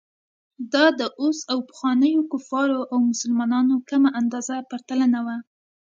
دا د اوس او پخوانیو کفارو او مسلمانانو کمه اندازه پرتلنه وه.